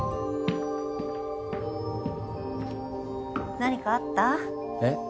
何かあった？えっ？